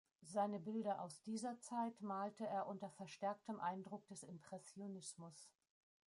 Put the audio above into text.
Seine Bilder aus dieser Zeit malte er unter verstärktem Eindruck des Impressionismus.